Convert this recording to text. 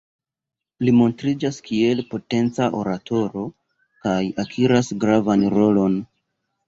Li montriĝas kiel potenca oratoro, kaj akiras gravan rolon.